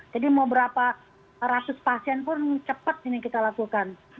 jadi mau berapa ratus pasien pun cepat ini kita lakukan